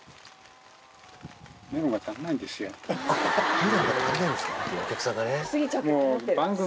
メロンが足りないんですか。